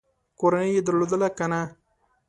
کورنۍ یې درلودله که نه ؟